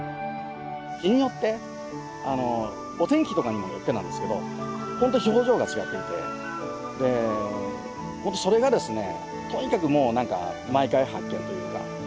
日によってあのお天気とかにもよってなんですけどほんと表情が違っててでほんとそれがですねとにかくもうなんか毎回発見というか。